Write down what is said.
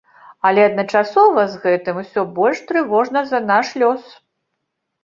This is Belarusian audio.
Але адначасова з гэтым усё больш трывожна за наш лёс.